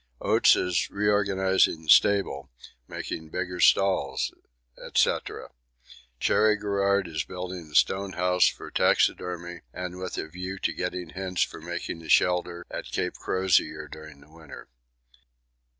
Oates is reorganising the stable, making bigger stalls, &c. Cherry Garrard is building a stone house for taxidermy and with a view to getting hints for making a shelter at Cape Crozier during the winter.